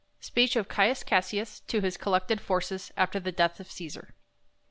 Sl'EEOH OF CaIUS CaSSIUS TO HIS COLLECTED Forces, after the Death of Cesar.